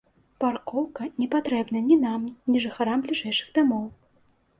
Паркоўка не патрэбная ні нам, ні жыхарам бліжэйшых дамоў.